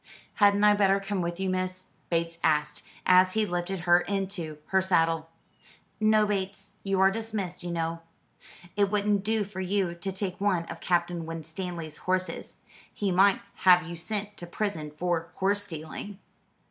"Hadn't I better come with you, miss?" Bates asked, as he lifted her into her saddle. "No, Bates. You are dismissed, you know. It wouldn't do for you to take one of Captain Winstanley's horses. He might have you sent to prison for horse stealing."